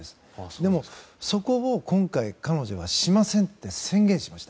でも、そこを今回彼女はしませんと宣言しました。